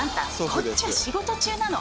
こっちは仕事中なの。